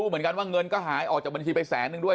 เหมือนกันว่าเงินก็หายออกจากบัญชีไปแสนนึงด้วย